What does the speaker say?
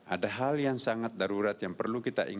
ada hal yang sangat darurat yang perlu kita ingatkan